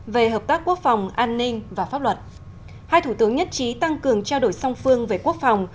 về hợp tác quốc phòng an ninh và pháp luật hai thủ tướng nhất trí tăng cường trao đổi song phương về quốc phòng